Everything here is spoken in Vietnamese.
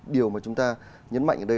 điều mà chúng ta nhấn mạnh ở đây